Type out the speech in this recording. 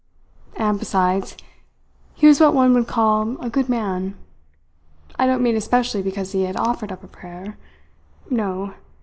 And besides, he was what one would call a good man. I don't mean especially because he had offered up a prayer. No!